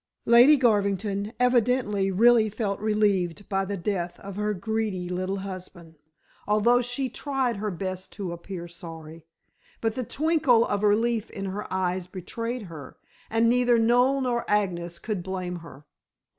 Lady Garvington evidently really felt relieved by the death of her greedy little husband, although she tried her best to appear sorry. But the twinkle of relief in her eyes betrayed her, and neither Noel nor Agnes could blame her.